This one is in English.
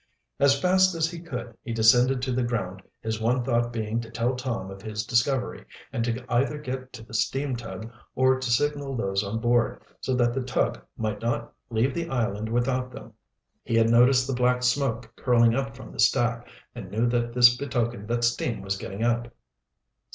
As fast as he could he descended to the ground, his one thought being to tell Tom of his discovery, and to either get to the steam tug or to signal those on board, so that the tug might not leave the island without them. He had noticed the black smoke curling up from the stack, and knew that this betokened that steam was getting up.